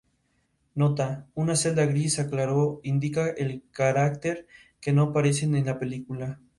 Nota: Una celda gris claro indica el carácter que no aparecen en la película.